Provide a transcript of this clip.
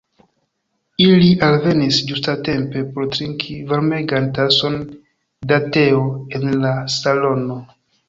Ili alvenis ĝustatempe por trinki varmegan tason da teo en la salono.